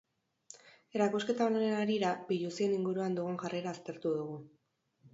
Erakusketa honen harira, biluzien inguruan dugun jarrera aztertu dugu.